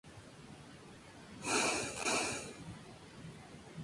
Fue alumno del reconocido guitarrista Joe Satriani.